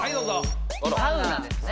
サウナですね。